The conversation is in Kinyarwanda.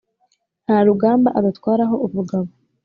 nta rugamba adatwaraho ubugabo